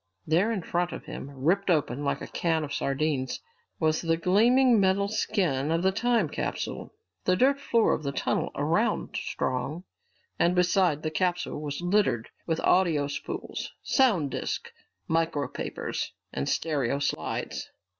There in front of him, ripped open like a can of sardines, was the gleaming metal skin of the time capsule! The dirt floor of the tunnel around Strong and beside the capsule was littered with audio spools, sound disks, micropapers, and stereo slides.